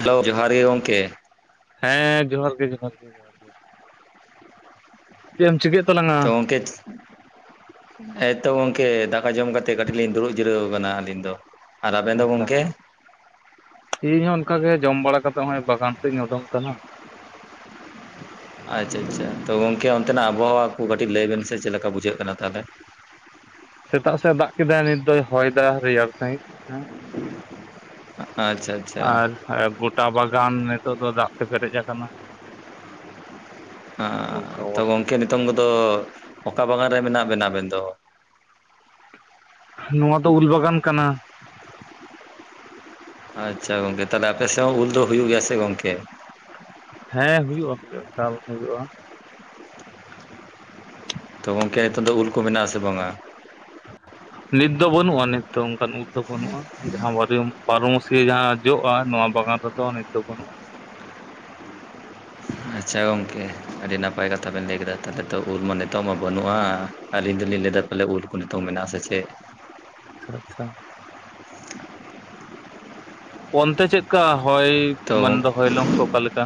Hello ᱡᱚᱦᱟᱨ ᱜᱮ ᱜᱚᱝᱠᱮ᱾ ᱦᱮᱸ ᱡᱚᱦᱟᱨ ᱜᱮ ᱡᱚᱦᱟᱨ ᱜᱮ ᱡᱚᱦᱟᱨ ᱾ [unintelligible] ᱪᱮᱫ ᱮᱢ ᱪᱤᱠᱟᱹᱭᱮᱫ ᱛᱟᱞᱟᱝᱼᱟ? ᱛᱚᱝ ᱠᱮᱛ [inaudible] ᱦᱮᱸᱛᱚ ᱜᱚᱝᱠᱮ ᱫᱟᱠᱟ ᱡᱚᱢ ᱠᱟᱛᱮᱫ ᱠᱟᱹᱴᱤᱡ ᱞᱤᱧ ᱫᱩᱲᱩᱵ ᱡᱤᱨᱟᱹᱣ ᱟᱠᱟᱱᱟ ᱟᱹᱞᱤᱧ ᱫᱚ᱾ ᱟᱨ ᱟᱵᱮᱱ ᱫᱚ ᱟᱪᱪᱷᱟ ᱜᱚᱝᱠᱮ? ᱤᱧ ᱦᱚᱸ ᱚᱱᱠᱟ ᱜᱮ ᱡᱚᱢ ᱵᱟᱲᱟ ᱠᱟᱛᱮᱜ ᱱᱚᱜᱚᱭ ᱵᱟᱜᱟᱱ ᱥᱮᱫ ᱤᱧ ᱩᱰᱩᱝ ᱠᱟᱱᱟ ᱾ ᱟᱪᱪᱷᱟ ᱟᱪᱷᱟ, ᱛᱳ ᱜᱚᱝᱠᱮ ᱚᱱᱛᱮᱱᱟᱜ ᱟᱵᱚᱦᱚᱣᱟ ᱠᱚ ᱠᱟᱹᱴᱤᱡ ᱞᱟᱹᱭ ᱵᱮᱱ ᱥᱮ ᱪᱮᱫ ᱞᱮᱠᱟ ᱵᱩᱡᱷᱟᱹᱜ ᱠᱟᱱᱟ ᱛᱟᱦᱚᱞᱮ? ᱥᱮᱛᱟᱜ ᱥᱮᱫ ᱮ ᱫᱟᱜ ᱠᱮᱫᱟᱭ ᱱᱤᱛ ᱫᱚᱭ ᱦᱚᱭ ᱫᱟ ᱨᱮᱭᱟᱲ ᱥᱟᱺᱦᱤᱡ ᱦᱮᱸ ᱾ ᱟᱪᱪᱷᱟ᱾ ᱟᱪᱪᱷᱟ ᱟᱨ ᱜᱚᱴᱟ ᱵᱟᱜᱟᱱ ᱱᱤᱛᱳᱜ ᱫᱚ ᱫᱟᱜ ᱛᱮ ᱯᱮᱨᱮᱡ ᱟᱠᱟᱱᱟ᱾ ᱱᱚᱝᱠᱟ ᱛᱚ ᱚᱵᱚᱥᱛᱟ ᱜᱚᱝᱠᱮ ᱱᱤᱛᱚᱝ ᱠᱚᱫᱚ ᱚᱠᱟ ᱵᱟᱜᱟᱱ ᱨᱮ ᱢᱮᱱᱟᱜ ᱵᱮᱱᱟ ᱟᱵᱮᱱ ᱫᱚ? ᱱᱚᱣᱟ ᱫᱚ ᱩᱞ ᱵᱟᱜᱟᱱ ᱠᱟᱱᱟ ᱾ ᱟᱪᱪᱷᱟ ᱜᱚᱝᱠᱮ᱾ ᱛᱟᱦᱚᱞᱮ ᱟᱯᱮ ᱥᱮᱫ ᱦᱚᱸ ᱩᱞ ᱫᱚ ᱦᱩᱭᱩᱜ ᱜᱮᱭᱟ ᱥᱮ ᱜᱚᱝᱠᱮ? ᱦᱮᱸ ᱦᱩᱭᱩᱜᱼᱟ ᱦᱩᱭᱩᱜᱼᱟ ᱮᱠᱟᱞ ᱦᱩᱭᱩᱜᱼᱟ ᱾ [inaudible] ᱛᱚ ᱜᱚᱢᱠᱮ ᱱᱤᱛᱚᱝ ᱫᱚ ᱩᱞ ᱠᱚ ᱢᱮᱱᱟᱜ ᱟᱥᱮ ᱵᱟᱝᱼᱟ? ᱱᱤᱛ ᱫᱚ ᱵᱟᱹᱱᱩᱜᱼᱟ ᱱᱤᱛ ᱫᱚ ᱚᱱᱠᱟᱱ ᱩᱞ ᱫᱚ ᱵᱟᱹᱱᱩᱜᱼᱟ ᱾ ᱡᱟᱦᱟᱸ ᱵᱟᱨᱤᱭᱟ. ᱵᱟᱨᱳ ᱢᱟᱹᱥᱭᱟᱹ ᱡᱟᱦᱟᱸ ᱡᱚᱜᱼᱟ, ᱱᱚᱣᱟ ᱵᱟᱜᱟᱱ ᱨᱮᱫᱚ ᱱᱤᱛ ᱫᱚ ᱵᱟᱹᱱᱩᱜᱼᱟ ᱾ ᱟᱪᱪᱷᱟ ᱜᱚᱝᱠᱮ ᱟᱹᱰᱤ ᱱᱟᱯᱟᱭ ᱠᱟᱛᱷᱟ ᱵᱮᱱ ᱞᱟᱹᱭ ᱠᱮᱫᱟ, ᱛᱟᱦᱚᱞᱮ ᱛᱚ ᱩᱞ ᱢᱟ ᱱᱤᱛᱚᱜ ᱢᱟ ᱵᱟᱹᱱᱩᱜᱼᱟ ᱟᱹᱞᱤᱧ ᱫᱚᱞᱤᱧ ᱞᱟᱹᱭ ᱮᱫᱟᱼᱼ ᱯᱟᱞᱮ ᱩᱞ ᱠᱚ ᱱᱤᱛᱳᱝ ᱢᱮᱱᱟᱜ-ᱟ ᱥᱮ ᱪᱮᱫ? ᱟᱪᱪᱷᱟ ᱟᱪᱪᱷᱟ᱾ ᱚᱱᱛᱮ ᱪᱮᱫ ᱞᱮᱠᱟ ᱦᱚᱭ, ᱛᱚ ᱢᱟᱱ ᱫᱚ ᱦᱚᱭᱞᱚᱝ ᱠᱚ ᱚᱠᱟ ᱞᱮᱠᱟ?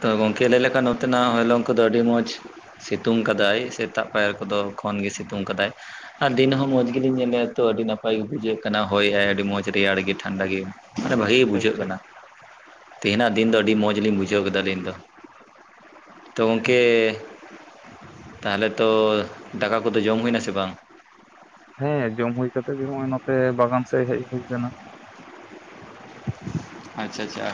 ᱛᱚ ᱜᱚᱢᱠᱮ ᱞᱟᱹᱭ ᱞᱮᱠᱷᱟᱱ ᱱᱚᱛᱮ ᱱᱟᱜ ᱦᱚᱭᱞᱚᱝ ᱠᱚᱫᱚ ᱟᱹᱰᱤ ᱢᱚᱸᱡᱽ ᱾ ᱥᱤᱛᱩᱝ ᱠᱟᱫᱟᱭ ᱥᱮᱛᱟᱜ ᱯᱟᱭᱟᱨ ᱠᱚᱫᱚ ᱠᱷᱚᱱ ᱜᱮ ᱥᱤᱛᱩᱝ ᱠᱟᱫᱟᱭ ᱾ ᱟᱨ ᱫᱤᱱ ᱦᱚᱸ ᱢᱚᱸᱡᱽ ᱜᱮᱞᱤᱧ ᱧᱮᱞᱮᱜ ᱛᱚ ᱟᱸᱰᱤ ᱱᱟᱯᱟᱭ ᱜᱮ ᱵᱩᱡᱷᱟᱹᱜ ᱠᱟᱱᱟ ᱦᱳᱭ ᱟᱭ ᱟᱹᱰᱤ ᱢᱚᱸᱡᱽ ᱜᱮ ᱨᱮᱭᱟᱲ ᱜᱮ ᱴᱷᱟᱱᱰᱟ ᱜᱮ ᱾ ᱢᱟᱱᱮ ᱵᱷᱟᱜᱤ ᱴᱷᱤᱠ ᱵᱩᱡᱷᱟᱹᱜ ᱴᱷᱤᱠ ᱠᱟᱱᱟ ᱛᱮᱦᱮᱱ ᱟᱜ ᱫᱤᱱ ᱫᱚ ᱟᱹᱰᱤ ᱢᱚᱸᱡᱽ ᱞᱤᱧ ᱵᱩᱡᱷᱟᱹᱣ ᱡᱟ. ᱣ ᱫᱟ ᱟᱞᱤᱧ ᱫᱚ᱾ ᱛᱚ ᱟᱪᱪᱷᱟ ᱜᱳᱝᱠᱮ ᱛᱟᱦᱚᱞᱮ ᱛᱚ ᱫᱟᱠᱟ ᱠᱚᱫᱚ ᱡᱚᱢ ᱦᱩᱭ ᱱᱟ ᱥᱮ ᱵᱟᱝ? ᱦᱮᱸ ᱡᱚᱢ ᱦᱩᱭ ᱠᱟᱛᱮᱜ ᱜᱮ ᱱᱚᱜ ᱚᱭ ᱱᱚᱛᱮ ᱵᱟᱜᱟᱱ ᱥᱮᱫ ᱦᱮᱡ ᱦᱩᱭ ᱟᱠᱟᱱᱟ ᱾ ᱟᱪᱪᱷᱟ ᱟᱪᱪᱷᱟᱼᱼ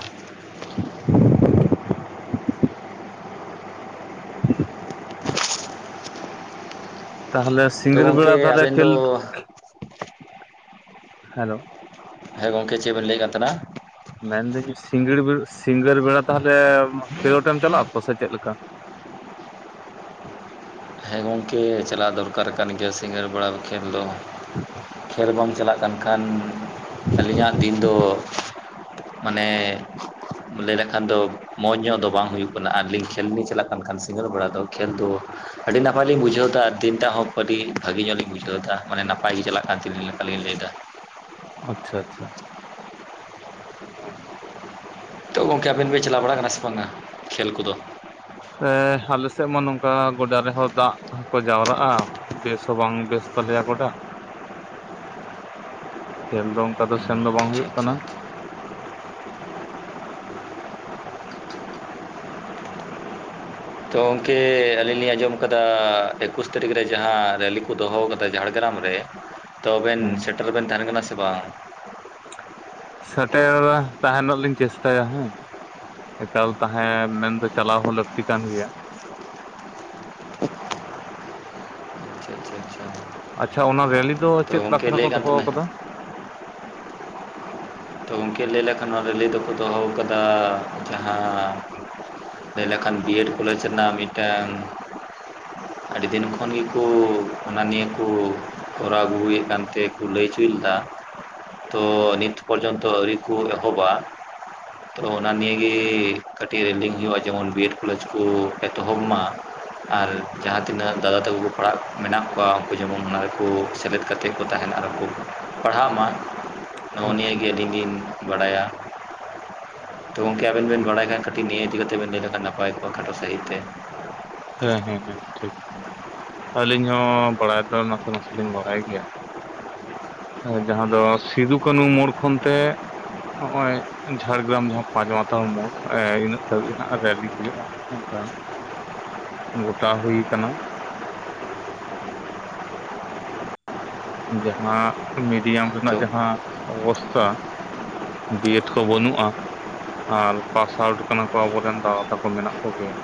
ᱛᱟᱦᱚᱞᱮ ᱛᱚ ᱥᱤᱝᱟ. ᱲ ᱜᱚᱝᱠᱮ ᱵᱮᱞᱟ ᱟᱵᱮᱱ ᱫᱚ ᱠᱷᱮᱞᱼᱼ ᱦᱮᱞᱳᱼᱼ ᱦᱮᱸ ᱜᱚᱝᱠᱮ ᱪᱮᱫ ᱵᱮᱱ ᱞᱮᱭᱮᱫ ᱠᱟᱱ ᱛᱟᱦᱮᱱᱟ? ᱢᱮᱱᱫᱟᱹᱧ ᱥᱤᱸᱜᱟᱹᱲ ᱥᱤᱸᱜᱟᱹᱲ ᱵᱮᱲᱟ ᱛᱟᱦᱚᱞᱮᱻᱢ ᱠᱷᱮᱞᱳᱰᱮᱢ ᱪᱟᱞᱟᱜ-ᱟ ᱛᱚ ᱥᱮ ᱪᱮᱫ ᱞᱮᱠᱟ? ᱦᱮᱸ ᱜᱚᱝᱠᱮ ᱪᱟᱞᱟᱜ ᱫᱚᱨᱠᱟᱨ ᱠᱟᱱ ᱜᱮᱭᱟ ᱥᱤᱸᱜᱟᱹᱲ ᱵᱟᱲᱟ ᱠᱷᱮᱞ ᱫᱚ ᱟᱪᱪᱷᱟ ᱾ ᱟᱪᱪᱷᱟ ᱠᱷᱹᱮᱞ ᱵᱟᱝᱼᱼ ᱪᱟᱞᱟᱜ ᱠᱟᱱ ᱠᱷᱟᱱ, ᱟᱹᱞᱤᱧᱟᱜ ᱫᱤᱱ ᱫᱚ, ᱢᱟᱱᱮᱼᱼ ᱞᱮ ᱞᱮᱠᱷᱟᱱ ᱫᱚ ᱢᱚᱡᱽ ᱧᱚᱜ ᱫᱚ ᱵᱟᱝ ᱦᱩᱭᱩᱜ ᱠᱟᱱᱟ᱾ ᱟᱨ ᱞᱤᱧ ᱠᱷᱮᱞ ᱞᱤᱧ ᱪᱟᱞᱟᱜ ᱠᱟᱱ ᱠᱷᱟᱱ ᱥᱤᱸᱜᱟᱹᱲ ᱵᱮᱲᱟ ᱫᱚ ᱠᱷᱹᱮᱞ ᱫᱚᱼᱼ ᱟᱹᱰᱤ ᱱᱟᱯᱟᱭ ᱞᱤᱧ ᱵᱩᱡᱷᱟᱹᱣᱮᱫᱟ ᱟᱨ ᱫᱤᱱᱴᱟᱜ ᱦᱚᱸ ᱟᱹᱰᱤ ᱵᱷᱟᱹᱜᱮ ᱧᱚᱜ ᱞᱤᱧ ᱵᱩᱡᱷᱟᱹᱣᱮᱫᱟ ᱢᱟᱱᱮ ᱱᱟᱯᱟᱭ ᱜᱮ ᱪᱟᱞᱟᱜ ᱠᱟᱱ ᱛᱟᱞᱤᱧ ᱞᱮᱠᱟᱞᱤᱧ ᱞᱮᱭᱮᱫᱟ ᱾ ᱟᱪᱪᱷᱟ ᱟᱪᱪᱷᱟᱼᱼ [unintelligible] ᱱᱤᱛᱚᱜ ᱜᱚᱢᱠᱮ ᱟᱵᱮᱱ ᱵᱮᱱ ᱪᱟᱞᱟᱣ ᱵᱟᱲᱟ ᱟᱠᱟᱱᱟ ᱥᱮ ᱵᱟᱝᱟ ᱠᱷᱮᱞ ᱠᱚᱫᱚ? ᱮᱸ ᱟᱞᱮ ᱥᱮᱫ ᱢᱟ ᱱᱚᱝᱠᱟ ᱜᱚᱰᱟ ᱨᱮᱦᱚᱸ ᱫᱟᱜ ᱦᱚᱸᱠᱚ ᱡᱟᱣᱨᱟᱜᱼᱟ᱾ ᱵᱮᱥ ᱦᱚᱸ ᱵᱟᱝ ᱵᱮᱥ ᱛᱟᱞᱮᱭᱟ ᱜᱚᱰᱟ᱾ ᱠᱷᱮᱞ ᱫᱚ ᱚᱱᱠᱟ ᱫᱚ ᱥᱮᱱ ᱫᱚ ᱵᱟᱝ ᱟᱪᱪᱷᱟ ᱦᱩᱭᱩᱜ ᱟᱪᱪᱷᱟ ᱠᱟᱱᱟ᱾ ᱟᱪᱪᱷᱟ ᱛᱚ ᱜᱚᱢᱠᱮ ᱟᱹᱞᱤᱧ ᱞᱤᱧ ᱟᱸᱡᱚᱢ ᱟᱠᱟᱫᱟ ᱮᱠᱩᱥ ᱛᱟᱹᱨᱤᱠᱷ ᱨᱮ ᱡᱟᱦᱟᱸ ᱨᱮᱞᱤ ᱠᱚ ᱫᱚᱦᱚ ᱟᱠᱟᱫᱟ ᱡᱷᱟᱲᱜᱮᱨᱟᱢ ᱨᱮ, ᱛᱚᱵᱮᱱ ᱦᱮᱸ ᱥᱮᱴᱮᱨ ᱵᱮᱱ ᱛᱟᱦᱮᱱ ᱠᱟᱱᱟ ᱥᱮ ᱵᱟᱝ? ᱥᱮᱴᱮᱨ, ᱛᱟᱦᱮᱱᱚᱜ ᱞᱤᱧ ᱪᱮᱥᱴᱟᱭᱟ ᱦᱮᱸ᱾ ᱮᱠᱟᱞ ᱛᱟᱦᱮᱸ ᱢᱮᱱᱫᱚ ᱪᱟᱞᱟᱣ ᱦᱚᱸ ᱞᱟᱹᱠᱛᱤ ᱠᱟᱱ ᱜᱮᱭᱟ᱾ [unintelligible] ᱟᱪᱪᱷᱟ ᱚᱱᱟ ᱨᱮᱞᱤ ᱫᱚ ᱛᱚ ᱪᱮᱫ ᱜᱚᱝᱠᱮ ᱵᱟᱠᱷᱨᱟ ᱞᱟᱹᱭᱮᱫ ᱠᱚ ᱠᱟᱱ ᱫᱚᱦᱚ ᱛᱟᱦᱮᱱᱟ ᱟᱠᱟᱫᱟ? ᱛᱚ ᱜᱚᱝᱠᱮ ᱞᱮ ᱞᱮᱠᱷᱟᱱ ᱨᱮᱞᱤ ᱫᱚᱦᱚ ᱠᱟᱫᱟ ᱡᱟᱦᱟᱸ ᱞᱮᱭ ᱞᱮᱠᱷᱟᱱ ᱵᱤᱹᱮᱰ ᱠᱚᱞᱮᱡᱽ ᱨᱮᱱᱟᱜ ᱢᱤᱫᱴᱮᱱ [unintelligible] ᱟᱹᱰᱤ ᱫᱤᱱ ᱠᱷᱚᱱ ᱜᱮᱠᱚ ᱚᱱᱟ ᱱᱤᱭᱟᱹ ᱠᱚ ᱠᱚᱨᱟᱣ ᱟᱹᱜᱩᱭᱮᱫ ᱠᱟᱱᱛᱮᱠᱩ ᱞᱟᱹᱭᱪᱚᱭ ᱞᱮᱫᱟ᱾ ᱛᱚ ᱱᱤᱛ ᱯᱚᱨᱡᱚᱱ ᱛᱚ ᱟᱹᱣᱨᱤ ᱠᱚ ᱮᱦᱚᱵᱟ᱾ ᱛᱚ ᱚᱱᱟ ᱱᱤᱭᱮᱟᱹᱜᱮ ᱠᱟᱹᱴᱤᱡ ᱨᱮᱞᱤ ᱦᱩᱭᱩᱜᱼᱟ ᱡᱮᱢᱚᱱ ᱵᱤ ᱮᱰ ᱠᱚᱞᱮᱡᱽ ᱠᱚ ᱮᱛᱚᱦᱚᱵ ᱢᱟ᱾ ᱟᱨ ᱡᱟᱦᱟᱸ ᱛᱤᱱᱟᱹᱜ ᱫᱟᱫᱟ ᱛᱟᱠᱚ ᱠᱚ ᱯᱟᱲᱦᱟᱜ ᱢᱮᱱᱟᱜ ᱠᱚᱣᱟ ᱩᱱᱠᱩ ᱡᱮᱢᱚᱱ ᱚᱱᱟ ᱨᱮᱠᱚ ᱥᱮᱞᱮᱫ ᱜᱟᱛᱮ ᱠᱚ ᱛᱟᱦᱮᱱᱟ ᱟᱨᱠᱚ ᱯᱟᱲᱦᱟᱜ ᱢᱟ᱾ ᱱᱚᱜᱼᱚ ᱟᱪᱪᱷᱟ ᱱᱤᱭᱟᱹᱟᱹᱜ ᱦᱩᱸ ᱜᱮ ᱟᱹᱞᱤᱧ ᱞᱤᱧ ᱵᱟᱲᱟᱭᱟ᱾ ᱛᱚ ᱜᱚᱝᱠᱮ ᱟᱵᱮᱱ ᱵᱮᱱ ᱵᱟᱲᱟᱭ ᱠᱷᱟᱱ ᱠᱟ ᱱᱤᱭᱟᱹ ᱤᱫᱤ ᱠᱟᱛᱮᱵᱮᱱ ᱞᱮᱭ ᱞᱮᱠᱷᱟᱱ ᱱᱟᱯᱟᱭ ᱠᱚᱜᱼᱟ᱾ ᱠᱷᱟᱴᱚ ᱥᱟᱺᱦᱤᱡ ᱛᱮ ᱦᱮᱸ ᱦᱮᱸ ᱦᱮᱸ ᱴᱷᱤᱠ᱾ ᱟᱹᱞᱤᱧ ᱦᱚᱸ ᱵᱟᱲᱟᱭ ᱫᱚ ᱱᱟᱥᱮ ᱱᱟᱥᱮ ᱞᱤᱧ ᱵᱟᱲᱟᱭ ᱜᱮᱭᱟ᱾ ᱡᱟᱦᱟᱸ ᱫᱚ ᱥᱤᱫᱩ ᱠᱟᱹᱱᱩ ᱢᱳᱲ ᱠᱷᱚᱱ ᱛᱮ ᱱᱚᱜᱼᱚᱭ ᱡᱷᱟᱲᱜᱨᱟᱢ ᱡᱟᱦᱟᱸ ᱯᱟᱸᱪ ᱢᱟᱛᱟᱣ ᱢᱳᱲ ᱚᱱᱮ ᱤᱱᱟᱹᱜ ᱫᱷᱟᱹᱵᱤᱡ ᱦᱟᱸᱜ ᱨᱮᱞᱤ ᱦᱩᱭᱩᱜᱼᱟ᱾ ᱚᱝᱠᱟ᱾ ᱜᱚᱴᱟ ᱦᱩᱭ ᱠᱟᱱᱟ᱾ ᱡᱟᱦᱟ, ᱸ ᱢᱤᱰᱤᱭᱟᱢ ᱨᱮᱱᱟᱜ ᱛᱚ ᱡᱟᱦᱟᱸ ᱚᱵᱚᱥᱛᱷᱟ, ᱵᱤ ᱮᱴ ᱠᱚ ᱵᱟᱹᱱᱩᱜᱼᱟ᱾ ᱟᱨ ᱯᱟᱥ ᱟᱣᱩᱴ ᱠᱟᱱᱟ ᱠᱚ ᱟᱵᱚᱨᱮᱱ ᱫᱟᱫᱟ ᱛᱟᱠᱚ ᱢᱮᱱᱟᱜ ᱠᱚᱜᱮᱭᱟ᱾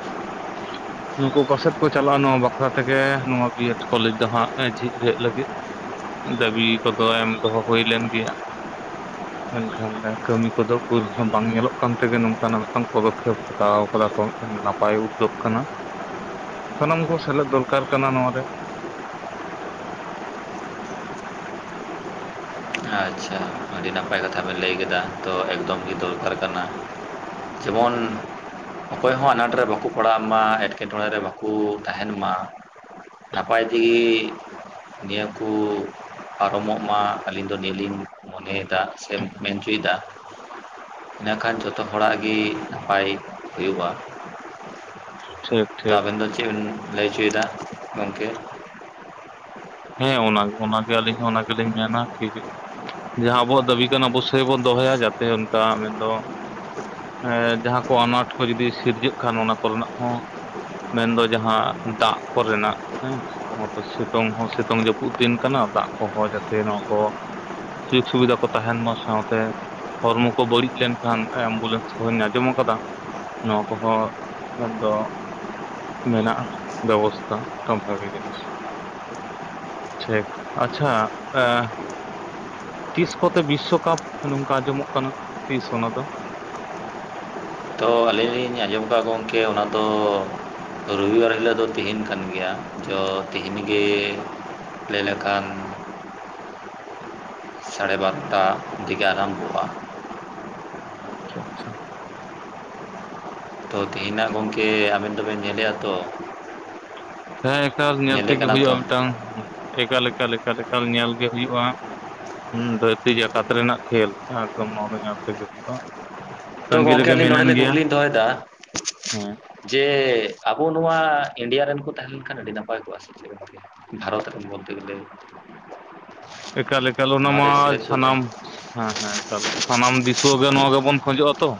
ᱱᱩᱠᱩ ᱚᱠᱟ ᱥᱮᱫ ᱠᱚ ᱪᱟᱞᱟᱜᱼᱟ ᱱᱚᱣᱟ ᱵᱟᱠᱷᱨᱟ ᱛᱮᱜᱮ ᱱᱚᱣᱟ ᱵᱤ ᱮᱰ ᱠᱚᱞᱮᱡᱽ ᱫᱚ ᱦᱟᱸᱜ ᱡᱷᱤᱡ ᱦᱩᱭᱩᱜ ᱞᱟᱹᱜᱤᱫ᱾ ᱫᱟᱹᱵᱤ ᱠᱚᱫᱚ ᱮᱢ ᱫᱚᱦᱚ ᱦᱩᱭ ᱞᱮᱱ ᱜᱮᱭᱟ᱾ ᱢᱮᱱᱠᱷᱟᱱ ᱠᱟᱹᱢᱤ ᱠᱚᱫᱚ ᱠᱩᱞ ᱦᱚᱸ ᱵᱟᱝ ᱧᱮᱞᱚᱜ ᱠᱟᱱ ᱛᱮᱜᱮ ᱱᱚᱝᱠᱟᱱᱟᱜ ᱢᱮᱫᱴᱟᱝ ᱯᱚᱫᱚᱠᱷᱮᱯ ᱦᱟᱛᱟᱣ ᱟᱠᱟᱫᱟ ᱠᱚ ᱢᱤᱫᱴᱟᱝ ᱱᱟᱯᱟᱭ᱾ ᱵᱟᱭ ᱩᱫᱽᱫᱳᱜᱽ ᱠᱟᱱᱟ, ᱥᱟᱱᱟᱢ ᱠᱚ ᱥᱮᱞᱮᱫ ᱫᱚᱨᱠᱟᱨ ᱠᱟᱱᱟ ᱱᱚᱣᱟᱨᱮ᱾ [inaudible] ᱟᱪᱪᱷᱟ ᱟᱹᱰᱤ ᱱᱟᱯᱟᱭ ᱠᱟᱛᱷᱟ ᱵᱮᱱ ᱞᱟᱹᱭ ᱠᱮᱫᱟ ᱛᱚ ᱜᱮ ᱫᱚᱨᱠᱟᱨ ᱠᱟᱱᱟ᱾ ᱡᱮᱢᱚᱱ ᱚᱠᱚᱭ ᱦᱚᱸ ᱟᱱᱟᱴᱨᱮ ᱵᱟᱠᱚ ᱯᱟᱲᱟᱜ ᱢᱟ ᱮᱸᱴᱠᱮᱴᱚᱬᱮ ᱨᱮ ᱵᱟᱠᱚ ᱛᱟᱦᱮᱱ ᱢᱟ᱾ ᱱᱟᱯᱟᱭ ᱛᱤᱜᱤ ᱱᱤᱭᱟᱹ ᱠᱚ ᱯᱟᱨᱚᱢᱚᱜ ᱢᱟ ᱟᱹᱞᱤᱧ ᱫᱚ ᱱᱤᱭᱟᱹᱞᱤᱧ ᱢᱚᱱᱮ ᱫᱟᱜ ᱥᱮᱢ ᱢᱮᱱ ᱦᱚᱪᱚᱭᱮᱫᱟ ᱤᱱᱟᱹᱠᱷᱟᱱ ᱡᱚᱛᱚ ᱦᱚᱲᱟᱜ ᱜᱮ ᱱᱟᱯᱟᱭ ᱦᱩᱭᱩᱜᱼᱟ ᱴᱷᱤᱠ ᱛᱚ ᱴᱷᱤᱠ ᱟᱵᱮᱱ ᱫᱚ ᱪᱮᱫ ᱵᱮᱱ ᱞᱟᱹᱭ ᱚᱪᱚᱭᱮᱫᱟ ᱜᱚᱢᱠᱮ ᱦᱮᱸ ᱚᱱᱟ ᱚᱱᱟᱜᱮ ᱟᱹᱞᱤᱧ ᱦᱚᱸ ᱚᱱᱟ ᱜᱮᱞᱤᱧ ᱢᱮᱱᱟ ᱠᱤ ᱡᱟᱦᱟᱸ ᱟᱵᱚᱣᱟᱜ ᱫᱟᱹᱵᱤ ᱠᱟᱱᱟ ᱟᱵᱚᱥ ᱥᱳᱭ ᱵᱚᱱ ᱫᱚᱦᱚᱭᱟ ᱡᱟᱛᱮ ᱚᱱᱠᱟ ᱢᱮᱱᱫᱚ ᱦᱮᱸ ᱡᱟᱦᱟᱸ ᱠᱚ ᱟᱱᱟᱴ ᱠᱚ ᱡᱩᱫᱤ ᱥᱤᱨᱡᱟᱹᱜ ᱠᱷᱟᱱ ᱚᱱᱟ ᱠᱚᱨᱮᱱᱟᱜ ᱦᱚᱸ᱾ ᱢᱮᱱᱫᱚ ᱡᱟᱦᱟᱸ ᱫᱟᱜ ᱠᱚᱨᱮᱱᱟᱜ ᱦᱮᱸ, ᱚ ᱥᱤᱛᱩᱝ ᱦᱚᱸ ᱥᱤᱛᱩᱝ ᱱᱤᱛᱚᱝ ᱡᱟᱹᱯᱩᱫ ᱫᱤᱱ ᱠᱟᱱᱟ, ᱫᱟᱜ ᱠᱚᱦᱚᱸ ᱡᱟᱛᱮ ᱱᱚᱣᱟ ᱠᱚ ᱥᱤᱢ ᱥᱩᱵᱤᱫᱷᱟ ᱠᱚ ᱛᱟᱦᱮᱱ ᱢᱟ, ᱥᱟᱶᱛᱮ ᱦᱚᱲᱢᱚ ᱠᱚ ᱵᱟᱹᱲᱤᱡ ᱞᱮᱱᱠᱷᱟᱱ ᱮᱢᱵᱩᱞᱮᱱᱥ ᱠᱚᱦᱚᱸᱧ ᱟᱸᱡᱚᱢ ᱟᱠᱟᱫᱟ? ᱱᱚᱣᱟ ᱠᱚᱦᱚᱸ ᱢᱮᱱᱫᱚ ᱢᱮᱱᱟᱜᱼᱟ, ᱵᱮᱵᱚᱥᱛᱷᱟ ᱠᱚᱢ ᱵᱷᱟᱜᱮ ᱜᱮ᱾ ᱴᱷᱤᱠ, ᱟᱪᱪᱷᱟ ᱮ ᱛᱤᱥ ᱠᱚᱛᱮ ᱵᱤᱥᱥᱚᱠᱟᱯ ᱱᱚᱝᱠᱟ ᱟᱸᱡᱚᱢᱚᱜ ᱠᱟᱱᱟ ᱛᱤᱥ ᱚᱱᱟ ᱫᱚ? ᱛᱚ ᱟᱹᱞᱤᱧ ᱞᱤᱧ ᱟᱸᱡᱚᱢ ᱠᱟᱜ-ᱟ ᱜᱚᱝᱠᱮ ᱚᱱᱟ ᱫᱚ [unintelligible] ᱨᱩᱵᱤ ᱵᱟᱨ ᱦᱤᱞᱟᱹᱜ ᱫᱚ ᱛᱤᱦᱤᱧ ᱠᱟᱱ ᱜᱮᱭᱟ ᱪᱚ ᱛᱤᱦᱤᱧ ᱜᱮ ᱞᱟᱹᱭ ᱞᱮᱠᱷᱟᱱ [unintelligible] ᱥᱟᱲᱮ ᱵᱟᱨᱚᱴᱟ ᱫᱤᱜᱮ ᱟᱨᱟᱢᱵᱷᱚᱜᱼᱟ᱾ [unintelligible] ᱟᱪᱪᱷᱟ ᱟᱪᱪᱷᱟ᱾ [unintelligible] ᱛᱚ ᱛᱤᱦᱤᱱᱟᱜ ᱜᱚᱝᱠᱮ ᱟᱵᱮᱱ ᱫᱚᱵᱮᱱ ᱧᱮᱞᱮᱜᱼᱟ ᱛᱚ? [unintelligible] ᱦᱮᱸ ᱮᱠᱟᱞ ᱧᱮᱞ ᱧᱮᱞᱮ ᱛᱮᱜᱮ ᱠᱟᱱᱟ ᱛᱚ ᱦᱩᱭᱩᱜᱼᱟ ᱢᱤᱫᱴᱟᱝ ᱮᱠᱟᱞ ᱮᱠᱟᱞ ᱮᱠᱟᱞ ᱮᱠᱟᱞ ᱧᱮᱞ ᱜᱮ ᱦᱩᱭᱩᱜᱼᱟ᱾ ᱦᱩᱸ ᱫᱷᱟᱹᱨᱛᱤ ᱡᱟᱠᱟᱛ ᱨᱮᱱᱟᱜ ᱠᱷᱮᱞ ᱮᱠᱫᱚᱢ ᱱᱚᱣᱟ ᱫᱚ ᱧᱮᱞ ᱛᱮᱜᱮ ᱦᱩᱭᱩᱜᱼᱟ᱾ ᱛᱚ ᱛᱟᱺᱜᱤ ᱜᱚᱝᱠᱮ ᱨᱮᱜᱮ ᱟᱹᱞᱤᱧ ᱱᱚᱰᱮ ᱢᱤᱱᱟᱹᱧ ᱞᱤᱧ ᱜᱮᱭᱟ ᱠᱩᱠᱞᱤᱧ ᱫᱚᱦᱚᱭᱮᱫᱟ, ᱦᱮᱸ [unintelligible] ᱡᱮ ᱟᱵᱚ ᱱᱚᱣᱟ ᱮᱨᱤᱭᱟ ᱨᱮᱱ ᱠᱚ ᱛᱟᱦᱮᱸᱱ ᱠᱷᱟᱱ ᱟᱹᱰᱤ ᱱᱟᱯᱟᱭ ᱠᱚᱜᱼᱟ ᱥᱮ ᱪᱮᱫ ᱞᱮᱠᱟ? ᱵᱷᱟᱨᱚᱛ ᱨᱮᱱ ᱵᱚᱞᱛᱮ ᱜᱮᱞᱮ᱾ ᱮᱠᱟᱞ ᱮᱠᱟᱞ ᱚᱱᱟ ᱢᱟ ᱱᱚᱣᱟᱨᱮ ᱥᱮᱞᱮᱫ ᱠᱚ ᱛᱟᱦᱮᱸ ᱥᱟᱱᱟᱢ, ᱦᱳᱭ ᱦᱳᱭ᱾ ᱮᱠᱟᱞ ᱥᱟᱱᱟᱢ ᱫᱤᱥᱩᱣᱟᱹ ᱜᱮ ᱱᱚᱣᱟ ᱜᱮᱵᱚᱱ ᱠᱷᱚᱡᱚᱜᱼᱟ ᱛᱚ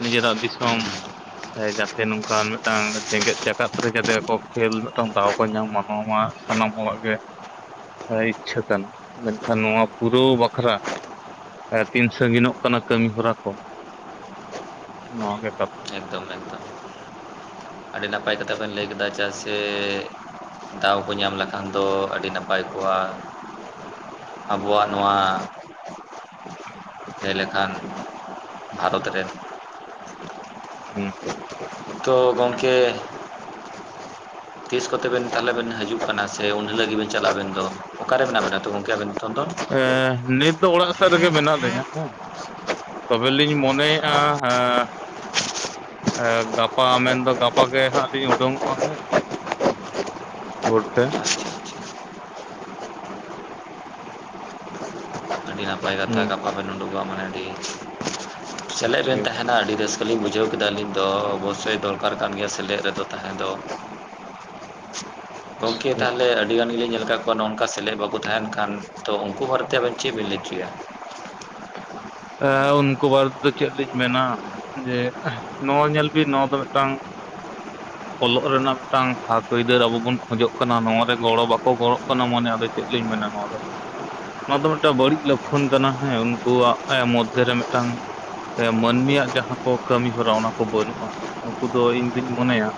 ᱱᱤᱡᱮᱨᱟᱜ ᱫᱤᱥᱚᱢ ᱮ ᱡᱟᱛᱮ ᱱᱚᱝᱠᱟᱱ ᱢᱤᱫᱴᱟᱝ ᱡᱮᱜᱮᱛ ᱡᱟᱠᱟᱛ ᱨᱮ ᱡᱟᱛᱮ ᱟᱠᱚ ᱠᱷᱮᱞ ᱢᱤᱫᱴᱟᱝ ᱫᱟᱣ ᱠᱚ ᱧᱟᱢ ᱢᱟ ᱱᱟᱣᱟ ᱢᱟ ᱥᱟᱱᱟᱢ ᱦᱚᱲᱟᱜ ᱜᱮ, ᱮᱭ ᱤᱪᱪᱷᱟᱹ ᱠᱟᱱᱟ, ᱢᱮᱱᱠᱷᱟᱱ ᱱᱚᱣᱟ ᱯᱩᱨᱟᱹᱣ ᱵᱟᱠᱷᱨᱟ ᱮ ᱛᱤᱱ ᱥᱟᱺᱜᱤᱱᱚᱜ ᱠᱟᱱᱟ ᱠᱟᱹᱢᱤ ᱦᱚᱨᱟ ᱠᱚ ᱱᱚᱣᱟ ᱜᱮ ᱠᱟᱛᱷᱟ᱾ [inaudible] ᱟᱹᱰᱤ ᱱᱟᱯᱟᱭ ᱠᱟᱛᱷᱟ ᱵᱮᱱ ᱞᱟᱹᱭ ᱠᱮᱫᱟ ᱪᱮᱫᱟᱜ ᱥᱮ ᱫᱟᱣ ᱠᱚ ᱧᱟᱢ ᱞᱮᱠᱷᱟᱱ ᱫᱚ ᱟᱹᱰᱤ ᱱᱟᱯᱟᱭ ᱠᱚᱜᱼᱟ᱾ ᱟᱵᱚᱣᱟᱜ ᱱᱚᱣᱟ ᱡᱮ ᱞᱮᱠᱷᱟᱱ ᱵᱷᱟᱨᱚᱛ ᱨᱮᱱ ᱦᱩᱸ ᱦᱩᱸ᱾ ᱛᱳ ᱜᱚᱝᱠᱮ [unintelligible] ᱛᱤᱥ ᱠᱚᱛᱮ ᱵᱮᱱ ᱛᱟᱦᱚᱞᱮ ᱵᱮᱱ ᱦᱟᱡᱩᱜ ᱠᱟᱱᱟ ᱥᱮ ᱩᱱ ᱦᱤᱞᱳᱜ ᱜᱮ ᱵᱤᱱ ᱪᱟᱞᱟᱜ-ᱟ ᱟᱵᱮᱱ ᱫᱚ ᱚᱠᱟᱨᱮ ᱢᱮᱱᱟᱜ ᱵᱤᱱᱟ ᱛᱚ ᱜᱚᱝᱠᱮ ᱟᱵᱮᱱ ᱫᱚ? ᱱᱤᱛᱚᱝ ᱮ ᱱᱤᱛ ᱫᱚ ᱚᱲᱟᱜ ᱥᱮᱫ ᱨᱮᱜᱮ ᱢᱮᱱᱟᱜ ᱞᱤᱧᱟᱹ ᱦᱮᱸ, ᱛᱚᱵᱮ ᱞᱤᱧ ᱢᱚᱱᱮᱭᱮᱜᱼᱟ ᱦᱮ ᱮ ᱜᱟᱯᱟ ᱢᱮᱱᱫᱚ ᱜᱟᱯᱟ ᱜᱮ ᱦᱟᱸᱜ ᱞᱤᱧ ᱳᱰᱳᱝᱚᱜᱼᱟ ᱦᱮᱸ ᱾ ᱵᱷᱳᱨ ᱛᱮ ᱾ ᱟᱹᱰᱤ ᱱᱟᱯᱟᱭ ᱠᱟᱛᱷᱟ ᱜᱟᱯᱟ ᱵᱮᱱ ᱩᱰᱩᱠᱚᱜᱼᱟ ᱢᱟᱱᱮ ᱟᱹᱰᱤ ᱴᱷᱤᱠ ᱥᱮᱞᱮᱫ ᱵᱮᱱ ᱴᱷᱤᱠ ᱛᱟᱦᱮᱱᱟ ᱟᱹᱰᱤ ᱨᱟᱹᱥ ᱠᱟᱹ ᱞᱤᱧ ᱵᱩᱡᱷᱟᱹᱣ ᱠᱮᱫᱟ ᱟᱹᱞᱤᱧ ᱫᱚ ᱚᱵᱚᱥᱥᱳᱭ ᱫᱚᱨᱠᱟᱨ ᱠᱟᱱ ᱜᱮᱭᱟ ᱥᱮᱞᱮᱫ ᱨᱮᱫᱚ ᱛᱟᱦᱮᱸ ᱫᱚ ᱾ ᱜᱚᱝᱠᱮ ᱴᱷᱤᱠ ᱛᱟᱦᱚᱞᱮ ᱟ ᱟᱹᱰᱤ ᱜᱟᱱ ᱜᱮᱞᱤᱧ ᱧᱮᱞ ᱟᱠᱟᱫ ᱠᱚᱣᱟ ᱱᱚᱜ-ᱚᱱᱠᱟ ᱥᱮᱞᱮᱫ ᱵᱟᱠᱚ ᱛᱟᱦᱮᱱ ᱠᱷᱟᱱ ᱛᱚ ᱩᱱᱠᱩ ᱵᱟᱨᱮ ᱛᱮ ᱟᱵᱮᱱ ᱪᱮᱫ ᱵᱮᱱ ᱞᱟᱹᱭ ᱦᱚᱪᱚᱭᱟ? ᱮ ᱩᱱᱠᱩ ᱵᱟᱨᱮ ᱛᱮᱫᱚ ᱪᱮᱫ ᱞᱤᱧ ᱢᱮᱱᱟ ᱡᱮ ᱱᱚᱣᱟ ᱧᱮᱞ ᱵᱤᱱ ᱱᱚᱣᱟ ᱫᱚ ᱢᱤᱫᱴᱟᱝ ᱚᱞᱚᱜ ᱨᱮᱱᱟᱜ ᱢᱤᱫᱴᱟᱝ ᱦᱚᱠ ᱟᱹᱭᱫᱟᱹᱨ ᱟᱵᱚ ᱵᱚᱱ ᱠᱷᱚᱡᱚᱜ ᱠᱟᱱᱟ ᱱᱚᱣᱟ ᱨᱮ ᱜᱚᱲᱚ ᱵᱟᱠᱚ ᱜᱚᱲᱚᱜ ᱠᱟᱱᱟ ᱢᱟᱱᱮ ᱟᱫᱚ ᱪᱮᱫ ᱞᱤᱧ ᱢᱮᱱᱟ ᱱᱚᱣᱟ ᱫᱚ? ᱱᱚᱣᱟ ᱫᱚ ᱢᱮᱫᱴᱟᱝ ᱵᱟᱹᱲᱤᱡ ᱞᱚᱠᱠᱷᱚᱱ ᱠᱟᱱᱟ ᱦᱮᱸ ᱩᱱᱠᱩᱣᱟᱜ ᱮ ᱢᱚᱫᱽᱫᱷᱮ ᱨᱮ ᱢᱮᱫᱴᱟᱝ ᱥᱮ ᱢᱟᱹᱱᱢᱤᱭᱟᱜ ᱡᱟᱦᱟᱸ ᱠᱚ ᱠᱟᱹᱢᱤ ᱦᱚᱨᱟ ᱚᱱᱟ ᱠᱚ ᱵᱟᱹᱱᱩᱜᱼᱟ ᱱᱩᱠᱩ ᱫᱚ ᱤᱧ ᱫᱩᱧ ᱢᱚᱱᱮᱭᱟ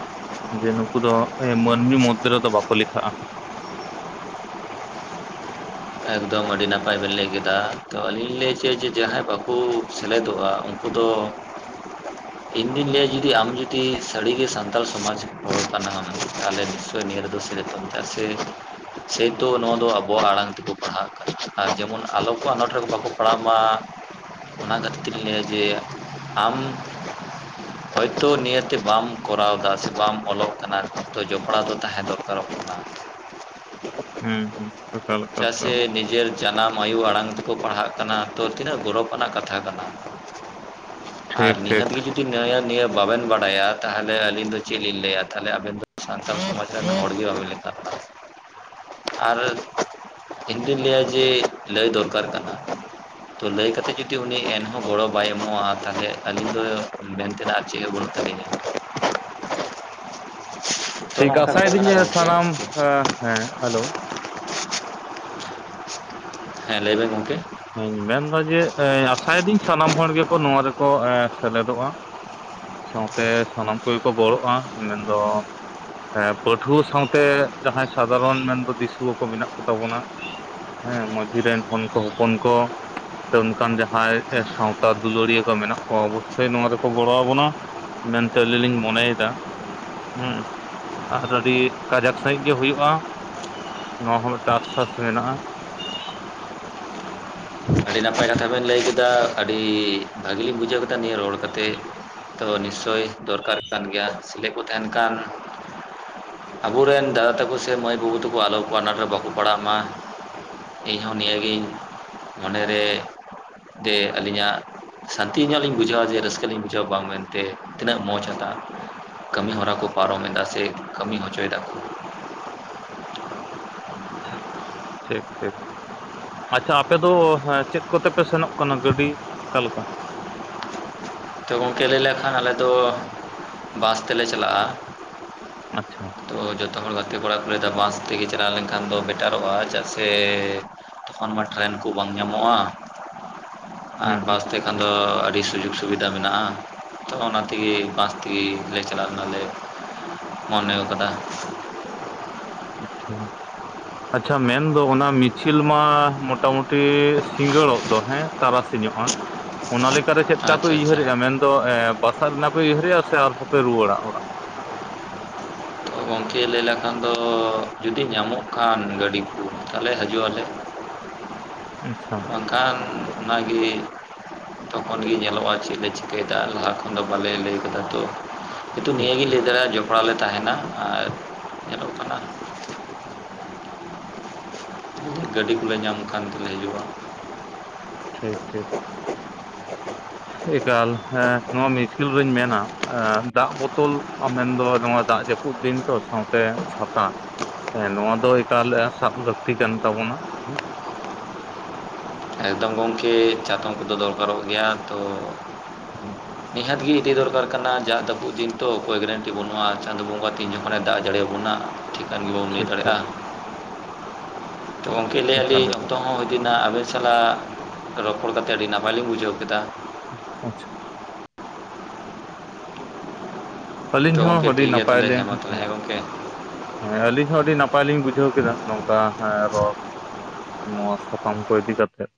ᱡᱮ ᱱᱩᱠᱩ ᱫᱚ ᱮ ᱢᱟᱹᱱᱢᱤ ᱢᱚᱫᱽᱫᱷᱮ ᱨᱮᱫᱚ ᱵᱟᱠᱚ ᱞᱮᱠᱷᱟᱜᱼᱟ ᱾ ᱮᱠᱫᱚᱢ ᱟᱹᱰᱤ ᱱᱟᱯᱟᱭ ᱵᱮᱱ ᱞᱟᱹᱭ ᱠᱮᱫᱟ ᱛᱚ ᱟᱞᱤᱧ ᱞᱤᱧ ᱞᱟᱹᱭ ᱦᱚᱪᱚᱭᱟ ᱡᱮ ᱡᱟᱦᱟᱸᱭ ᱵᱟᱠᱚ ᱥᱮᱞᱮᱫᱚᱜᱼᱟ ᱩᱱᱠᱩ ᱫᱚ [unintelligible] ᱤᱧᱫᱩᱧ ᱞᱟᱹᱭᱟ ᱡᱩᱫᱤ ᱟᱢ ᱡᱩᱫᱤ ᱥᱟᱹᱨᱤᱜᱮ ᱥᱟᱱᱛᱟᱲ ᱥᱚᱢᱟᱡᱽ ᱦᱚᱲ ᱠᱟᱱᱟᱢ ᱛᱟᱦᱚᱞᱮ ᱱᱤᱥᱪᱚᱭ ᱱᱤᱭᱟᱹ ᱨᱮᱫᱚ ᱥᱮᱞᱮᱫᱚᱜ ᱢᱮ ᱾ ᱪᱮᱫᱟᱜ ᱥᱮ ᱥᱮᱭ ᱛᱚ ᱱᱚᱣᱟ ᱫᱚ ᱟᱵᱚᱣᱟᱜ ᱟᱲᱟᱝ ᱛᱮᱠᱚ [unintelligible] ᱟᱨ ᱡᱮᱢᱚᱱ ᱟᱞᱚ ᱠᱚ ᱟᱱᱟᱴ ᱨᱮ ᱵᱟᱠᱚ ᱯᱟᱲᱦᱟᱣᱜ ᱢᱟ᱾ ᱚᱱᱟ ᱠᱷᱟᱹᱛᱤᱨ ᱛᱮᱜᱮ ᱞᱟᱹᱭᱟ ᱡᱮ ᱟᱢ ᱦᱚᱭᱛᱳ ᱱᱤᱭᱟᱹᱛᱮ ᱵᱟᱢ ᱠᱚᱨᱟᱣᱫᱟ ᱥᱮ ᱵᱟᱢ ᱚᱞᱚᱜ ᱠᱟᱱᱟ ᱛᱚ ᱡᱚᱯᱲᱟᱣ ᱫᱚ ᱛᱟᱦᱮᱸ ᱫᱚᱨᱠᱟᱨ᱾ [inaudible] ᱦᱩᱸ ᱦᱩᱸ ᱾ ᱪᱮᱫ ᱥᱮ ᱱᱤᱡᱮᱨ ᱡᱟᱱᱟᱢ ᱟᱭᱩ ᱟᱲᱟᱝ ᱛᱮᱠᱚ ᱯᱟᱲᱦᱟᱜ ᱠᱟᱱᱟ ᱛᱚ ᱛᱤᱱᱟᱹᱜ ᱜᱚᱨᱚᱵ ᱟᱱᱟᱜ ᱠᱟᱛᱷᱟ ᱠᱟᱱᱟ᱾ ᱟᱨ ᱴᱷᱤᱠ ᱴᱷᱤᱠ ᱱᱤᱦᱟᱹᱛᱤ ᱜᱮ ᱡᱩᱫᱤ ᱡᱩᱫᱤ ᱱᱤᱭᱟᱹ ᱵᱟᱵᱮᱱ ᱵᱟᱲᱟᱭᱟ ᱛᱟᱦᱚᱞᱮ ᱟᱹᱞᱤᱧ ᱫᱚ ᱪᱮᱫ ᱞᱤᱧ ᱞᱟᱹᱭᱟ ᱛᱟᱦᱚᱞᱮ ᱟᱵᱮᱱ ᱫᱚ ᱥᱟᱱᱛᱟᱲ ᱥᱚᱢᱟᱡᱽ ᱦᱚᱲ ᱜᱮ ᱵᱟᱵᱮᱱ ᱞᱮᱠᱷᱟᱜ ᱠᱟᱱᱟ᱾ [unintelligible] ᱟᱨ ᱤᱧᱫᱩᱧ ᱞᱟᱹᱭᱟ ᱡᱮ ᱞᱟᱹᱭ ᱫᱚᱨᱠᱟᱨ ᱠᱟᱱᱟ ᱾ ᱛᱚ ᱞᱟᱹᱭ ᱠᱟᱛᱮᱫ ᱡᱩᱫᱤ ᱩᱱᱤ ᱮᱱᱦᱚᱸ ᱜᱚᱲᱚ ᱵᱟᱭ ᱮᱢᱚᱜᱼᱟ ᱛᱟᱦᱚᱞᱮ ᱟᱹᱞᱤᱧ ᱫᱚ ᱢᱮᱱ ᱪᱮᱫᱟᱜ ᱪᱮ ᱦᱚᱸ ᱵᱟᱹᱱᱩᱜ ᱛᱟᱹᱞᱤᱧᱟ ᱾ ᱛᱚ ᱴᱷᱤᱠ ᱱᱚᱝᱠᱟ ᱵᱮᱯᱟᱨ ᱠᱟᱱᱟ ᱟᱥᱟᱭᱤᱫᱟᱹᱧ ᱜᱚᱢᱠᱮ ᱥᱟᱱᱟᱢ ᱦᱮᱸ ᱦᱮᱞᱳ ᱾ ᱦᱮᱸ ᱞᱟᱹᱭ ᱵᱮᱱ ᱜᱚᱢᱠᱮ ᱦᱮᱸ ᱢᱮᱱᱫᱟ ᱡᱮ ᱟᱥᱟᱭᱮᱫᱟᱹᱧ ᱥᱟᱱᱟᱢ ᱦᱚᱲ ᱜᱮᱠᱚ ᱱᱚᱣᱟ ᱨᱮᱠᱚ ᱮ ᱥᱮᱞᱮᱫᱚᱜᱼᱟ ᱾ ᱥᱟᱶᱛᱮ ᱥᱟᱱᱟᱢ ᱠᱚᱜᱮ ᱠᱚ ᱜᱚᱲᱚᱜᱼᱟ ᱢᱮᱱᱫᱚ ᱯᱟᱹᱴᱷᱩᱣᱟᱹ ᱥᱟᱶᱛᱮ ᱡᱟᱦᱟᱸᱭ ᱥᱟᱫᱷᱟᱨᱚᱱ ᱢᱮᱱᱫᱚ ᱫᱤᱥᱩᱣᱟᱹ ᱠᱚ ᱢᱮᱱᱟᱜ ᱠᱚ ᱛᱟᱵᱚᱱᱟ᱾ ᱦᱮᱸ ᱢᱟᱹᱡᱷᱤ ᱨᱮᱱ ᱦᱚᱱᱠᱚ ᱦᱚᱯᱚᱱ ᱠᱚ ᱚᱱᱠᱟᱱ ᱡᱟᱦᱟᱸᱭ ᱥᱟᱶᱛᱟ ᱫᱩᱞᱟᱹᱲᱤᱭᱟᱹ ᱠᱚ ᱢᱮᱱᱟᱜ ᱠᱚᱣᱟ ᱚᱵᱚᱥᱥᱳᱭ ᱱᱚᱣᱟ ᱨᱮᱠᱚ ᱜᱚᱲᱚ ᱟᱵᱚᱱᱟ ᱾ ᱢᱮᱱᱛᱮ ᱟᱞᱤᱧ ᱞᱤᱧ ᱢᱚᱱᱮᱭᱮᱫᱟ ᱾ ᱦᱮᱸ ᱟᱨ ᱟᱹᱰᱤ ᱠᱟᱡᱟᱠ ᱥᱟᱹᱦᱤᱡ ᱜᱮ ᱦᱩᱭᱩᱜᱼᱟ᱾ ᱱᱚᱣᱟ ᱦᱚᱸ ᱢᱤᱫᱴᱟᱝ ᱟᱥᱥᱟᱥ ᱢᱮᱱᱟᱜᱼᱟ ᱾ ᱟᱹᱰᱤ ᱱᱟᱯᱟᱭ ᱠᱟᱛᱷᱟ ᱵᱮᱱ ᱞᱟᱹᱭ ᱠᱮᱫᱟ ᱟᱹᱰᱤ ᱵᱷᱟᱹᱜᱤ ᱞᱤᱧ ᱵᱩᱡᱷᱟᱹᱣ ᱠᱮᱫᱟ ᱱᱤᱭᱟᱹ ᱨᱚᱲ ᱠᱟᱛᱮᱜ ᱾ ᱛᱚ ᱱᱤᱥᱪᱳᱭ ᱫᱚᱨᱠᱟᱨ ᱠᱟᱱ ᱜᱮᱭᱟ ᱥᱤᱞᱮ ᱠᱚ ᱛᱟᱦᱮᱱ ᱠᱷᱟᱱ ᱟᱵᱚ ᱨᱮᱱ ᱫᱟᱫᱟ ᱛᱟᱠᱚ ᱥᱮ ᱢᱟᱹᱭ ᱵᱟᱹᱵᱩ ᱛᱟᱠᱚ ᱟᱞᱚ ᱟᱱᱟᱴ ᱨᱮ ᱵᱟᱠᱚ ᱯᱟᱲᱟᱜ ᱢᱟ ᱾ ᱤᱧ ᱦᱚᱸ ᱱᱤᱭᱟᱹ ᱜᱤᱧ ᱢᱚᱱᱮ ᱨᱮ ᱡᱮ ᱟᱹᱞᱤᱧᱟᱜ ᱥᱟᱱᱛᱤ ᱧᱚᱜ ᱞᱤᱧ ᱵᱩᱡᱷᱟᱹᱣᱟ ᱡᱮ ᱨᱟᱹᱥᱠᱟᱹ ᱞᱤᱧ ᱵᱩᱡᱷᱟᱹᱣᱟ ᱵᱟᱝ ᱢᱮᱱᱛᱮ ᱛᱤᱱᱟᱹᱜ ᱢᱚᱸᱡᱽ ᱦᱟᱛᱟᱜᱼᱟ ᱾ ᱠᱟᱹᱢᱤ ᱦᱚᱸᱨᱟ ᱠᱚ ᱯᱟᱨᱚᱢ ᱮᱫᱟ ᱥᱮ ᱠᱟᱹᱢᱤ ᱦᱚᱪᱚᱭ ᱮᱫᱟ ᱠᱚ ᱾ ᱴᱷᱤᱠ ᱴᱷᱤᱠ ᱾ ᱟᱪᱪᱷᱟ ᱟᱯᱮ ᱫᱚ ᱦᱮᱸ ᱪᱮᱫ ᱠᱚᱛᱮ ᱯᱮ ᱥᱮᱱᱚᱜ ᱠᱟᱱᱟ ᱜᱟᱹᱰᱤ ᱚᱠᱟ ᱞᱮᱠᱟ ᱾ ᱛᱚ ᱜᱚᱢᱠᱮ ᱞᱟᱹᱭ ᱞᱮᱠᱷᱟᱱ ᱟᱞᱮ ᱫᱚ ᱵᱟᱥ ᱛᱮᱞᱮ ᱪᱟᱞᱟᱜᱼᱟ ᱾ ᱟᱪᱪᱷᱟ ᱛᱚ ᱡᱚᱛᱚ ᱦᱚᱲ ᱜᱟᱛᱮ ᱠᱚᱲᱟ ᱠᱚ ᱞᱟᱹᱭ ᱮᱫᱟ ᱵᱟᱥ ᱛᱮᱜᱮ ᱪᱟᱞᱟᱣ ᱞᱮᱱ ᱠᱷᱟᱱ ᱫᱚ ᱵᱮᱴᱟᱨᱚᱜᱼᱟ ᱪᱮᱫᱟᱜ ᱥᱮ ᱛᱚᱠᱷᱚᱱ ᱢᱟ ᱴᱨᱮᱱ ᱠᱚ ᱵᱟᱝ ᱧᱟᱢᱚᱜᱼᱟ ᱟᱨ ᱦᱩᱸ ᱦᱩᱸ ᱵᱟᱥ ᱛᱮ ᱠᱷᱟᱱ ᱴᱷᱤᱠ ᱫᱚ ᱟᱹᱰᱤ ᱥᱩᱡᱳᱜ ᱥᱩ ᱵᱤᱫᱟ ᱢᱮᱱᱟᱜᱼᱟ ᱛᱚ ᱚᱱᱟ ᱛᱮᱜᱮ ᱵᱟᱥ ᱛᱮᱜᱮ ᱞᱮ ᱪᱟᱞᱟᱣ ᱞᱮᱱᱟ ᱞᱮ ᱾ ᱢᱚᱱᱮᱣ ᱠᱟᱫᱟ ᱾ ᱟᱪᱪᱷᱟ ᱾ ᱟᱪᱪᱷᱟ ᱢᱮᱱ ᱫᱚ ᱚᱱᱟ ᱢᱤᱪᱷᱤᱞ ᱢᱟ ᱢᱚᱴᱟ ᱢᱩᱴᱤ ᱥᱤᱸᱜᱟᱹᱲᱚᱜ ᱫᱚ ᱦᱮᱸ ᱛᱟᱨᱟᱥᱤᱧ ᱧᱚᱜᱼᱟ ᱾ [inaudible] ᱚᱱᱟ ᱞᱮᱠᱟᱨᱮ ᱪᱮᱜᱠᱟ ᱯᱮ ᱟᱪᱪᱷᱟ ᱟᱪᱪᱷᱟ ᱩᱭᱦᱟᱹᱨᱮᱜᱼᱟ ᱢᱮᱱᱫᱚ ᱮᱸ ᱵᱟᱥᱟᱜ ᱨᱮᱱᱟᱜ ᱯᱮ ᱩᱭᱦᱟᱹᱨᱮᱜᱼᱟ ᱥᱮ ᱟᱨᱦᱚᱸ ᱯᱮ ᱨᱩᱣᱟᱹᱲᱟ ᱚᱲᱟᱜ ᱾ ᱜᱚᱝᱠᱮ ᱞᱟᱹᱭ ᱞᱮᱠᱷᱟᱱ ᱫᱚ ᱡᱩᱫᱤ ᱧᱟᱢᱚᱜ ᱠᱷᱟᱱ ᱜᱟᱹᱰᱤ ᱠᱚ ᱛᱟᱦᱚᱞᱮ ᱦᱟᱹᱡᱩᱜ ᱟᱞᱮ ᱾ ᱟᱪᱪᱷᱟ ᱵᱟᱝᱠᱷᱟᱱ ᱚᱱᱟ ᱜᱮ ᱛᱚᱠᱷᱚᱱ ᱜᱮ ᱧᱮᱞᱚᱜ-ᱟ ᱪᱮᱫ ᱞᱮ ᱪᱤᱠᱟᱹᱭ ᱮᱫᱟ ᱞᱟᱦᱟ ᱠᱷᱚᱱ ᱫᱚ ᱵᱟᱞᱮ ᱞᱟᱹᱭ ᱠᱟᱫᱟ ᱛᱚ ᱠᱤᱱᱛᱩ ᱴᱷᱤᱠ ᱱᱤᱭᱟᱹ ᱜᱮᱧ ᱴᱷᱤᱠ ᱞᱟᱹᱭ ᱫᱟᱲᱮᱭᱟᱜ-ᱟ ᱡᱚᱯᱲᱟᱣ ᱞᱮ ᱛᱟᱦᱮᱱᱟ ᱟᱨ ᱧᱮᱞᱚᱜ ᱠᱟᱱᱟ ᱜᱟᱹᱰᱤ ᱠᱚᱞᱮ ᱧᱟᱢ ᱠᱷᱟᱱ ᱛᱚᱞᱮ ᱦᱤᱡᱩᱜ-ᱟ᱾ ᱴᱷᱤᱠ ᱴᱷᱤᱠ ᱾ ᱮᱠᱟᱞ ᱦᱮᱸ ᱱᱚᱣᱟ ᱢᱤᱪᱷᱤᱞ ᱨᱤᱧ ᱢᱮᱱᱟ ᱮ ᱫᱟᱜ ᱵᱳᱛᱚᱞ ᱢᱮᱱᱫᱚ ᱱᱚᱣᱟ ᱫᱟᱜ ᱡᱟᱹᱯᱩ ᱯᱩᱫ ᱫᱤᱱ ᱛᱚ ᱥᱟᱶᱛᱮ ᱪᱟᱛᱟ ᱦᱮᱸ ᱱᱚᱣᱟ ᱫᱚ ᱮᱠᱟᱞ ᱮᱸ ᱥᱟᱵ ᱞᱟᱹᱠᱛᱤ ᱠᱟᱱ ᱛᱟᱵᱚᱱᱟ᱾ ᱦᱩᱸ ᱮᱠᱫᱚᱢ ᱜᱚᱢᱠᱮ ᱪᱟᱛᱚᱢ ᱠᱚᱫᱚ ᱫᱚᱨᱠᱟᱨᱚᱜ ᱜᱮᱭᱟ ᱛᱚ [unintelligible] ᱱᱤᱦᱟᱹᱛ ᱜᱮ ᱤᱫᱤ ᱫᱚᱨᱠᱟᱨ ᱠᱟᱱᱟ ᱡᱟᱜ ᱫᱟᱹᱯᱩᱫ ᱫᱤᱱ ᱛᱚ ᱚᱠᱚᱭ ᱜᱮᱨᱮᱱᱴᱤ ᱵᱟᱹᱱᱩᱜ-ᱟ ᱪᱟᱸᱫᱳ ᱵᱚᱸᱜᱟ ᱛᱤᱱ ᱡᱚᱠᱷᱚᱱᱮ ᱫᱟᱜ ᱡᱟᱹᱲᱤᱭ ᱵᱚᱱᱟ ᱴᱷᱤᱠᱟᱹᱱ ᱜᱮ ᱵᱟᱵᱚᱱ ᱞᱟᱹᱭ ᱴᱷᱤᱠ ᱫᱟᱲᱮᱜ-ᱟ᱾ ᱴᱷᱤᱠ ᱛᱚ ᱜᱚᱝᱠᱮ ᱞᱟᱹᱭ ᱮᱭᱟ ᱮᱠᱟᱞ ᱞᱤᱧ ᱮᱠᱟᱞ ᱚᱠᱛᱚ ᱦᱚᱸ ᱦᱟᱹᱫ ᱮᱱᱟ ᱟᱵᱮᱥ ᱥᱟᱞᱟᱜ ᱨᱚᱯᱚᱲ ᱠᱟᱛᱮ ᱟᱹᱰᱤ ᱱᱟᱯᱟᱭ ᱞᱤᱧ ᱵᱩᱡᱷᱟᱹᱣ ᱠᱮᱫᱟ᱾ ᱟᱪᱪᱷᱟ ᱛᱚ ᱟᱹᱞᱤᱧ ᱦᱚᱸ ᱜᱚᱢᱠᱮ ᱟᱹᱰᱤ ᱴᱷᱤᱠ ᱜᱮᱭᱟ ᱛᱟᱦᱚᱞᱮ ᱱᱟᱯᱟᱭᱞᱤᱧ ᱢᱟ ᱛᱟᱦᱚᱞᱮ ᱦᱮᱸ ᱜᱚᱢᱠᱮ ᱦᱮᱸ ᱟᱹᱞᱤᱧ ᱦᱚᱸ ᱟᱹᱰᱤ ᱱᱟᱯᱟᱭ ᱞᱤᱧ ᱵᱩᱡᱷᱟᱹᱣ ᱠᱮᱫᱟ ᱱᱚᱝᱠᱟ ᱦᱮᱸ ᱨᱚᱲ ᱾ ᱱᱚᱣᱟ ᱥᱟᱛᱟᱢ ᱠᱚ ᱤᱫᱤ ᱠᱟᱛᱮᱫ ᱾